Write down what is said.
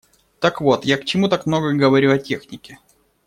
Так вот, я к чему так много говорю о технике.